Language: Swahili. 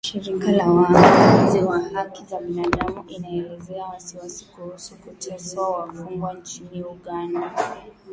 Shirika la Waangalizi wa Haki za Binaadamu inaelezea wasiwasi kuhusu kuteswa wafungwa nchini Uganda